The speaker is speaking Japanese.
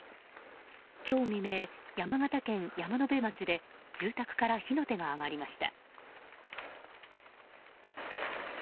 今日未明、山形県山辺町で住宅から火の手が上がりました。